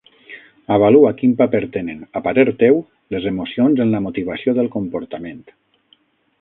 Avalua quin paper tenen, a parer teu, les emocions en la motivació del comportament.